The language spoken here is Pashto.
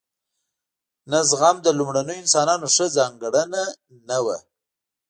نه زغم د لومړنیو انسانانو ښه ځانګړنه نه وه.